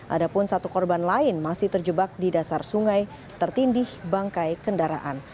ada pun satu korban lain masih terjebak di dasar sungai tertindih bangkai kendaraan